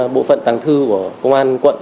bộ phận tàng thư của công an quận